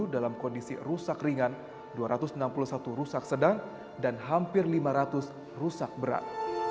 tiga sembilan ratus tiga puluh tujuh dalam kondisi rusak ringan dua ratus enam puluh satu rusak sedang dan hampir lima ratus rusak berat